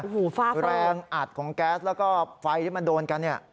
คือแรงอัดของแก๊สแล้วก็ไฟที่มันโดนกัน